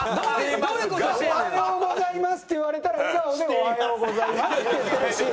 「おはようございます」って言われたら笑顔で「おはようございます」って言ってるし。